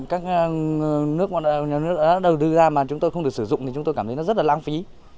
các nước nhà nước đã đầu tư ra mà chúng tôi không được sử dụng thì chúng tôi cảm thấy nó rất là lãng phí